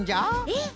えっ？